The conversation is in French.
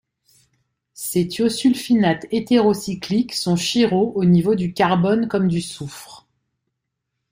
Ces thiosulfinates héterocycliques sont chiraux au niveau du carbone comme du soufre.